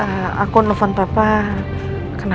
ee aku nelfon papa kena kutipnya sama ala dia udah beres ya